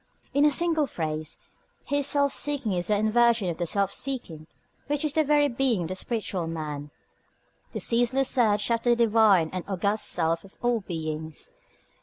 In a single phrase, his self seeking is the inversion of the Self seeking which is the very being of the spiritual man: the ceaseless search after the divine and august Self of all beings.